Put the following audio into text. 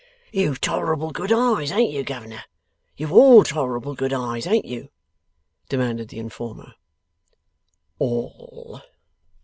'You've tolerable good eyes, ain't you, Governor? You've all tolerable good eyes, ain't you?' demanded the informer. All.